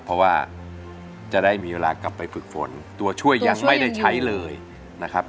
เพราะว่าจะได้มีเวลากลับไปฝึกฝนตัวช่วยยังไม่ได้ใช้เลยนะครับ